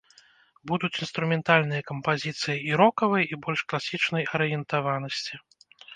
Будуць інструментальныя кампазіцыі і рокавай, і больш класічнай арыентаванасці.